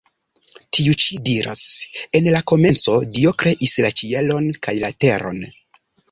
Tiu ĉi diras: “En la komenco Dio kreis la ĉielon kaj la teron.